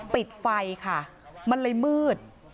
ปิดไฟค่ะมันเลยมืด